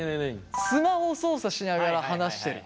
「スマホ操作しながら話してる」。